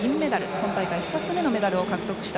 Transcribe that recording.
今大会２つ目のメダルを獲得。